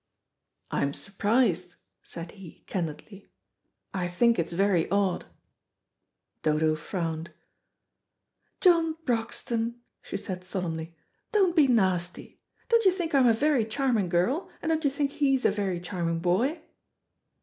"I'm surprised," said he candidly; "I think it's very odd." Dodo frowned. "John Broxton," she said solemnly, "don't be nasty. Don't you think I'm a very charming girl, and don't you think he's a very charming boy?"